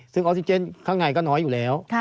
ซึ่งออกซิเจนข้างในก็น้อยอยู่แล้ว